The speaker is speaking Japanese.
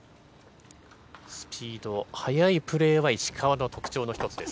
スピード、速いプレーは石川の特徴の１つです。